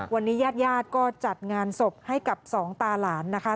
วันนี้ญาติญาติก็จัดงานศพให้กับสองตาหลานนะคะ